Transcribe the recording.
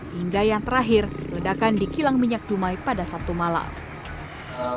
hingga yang terakhir ledakan di kilang minyak dumai pada sabtu malam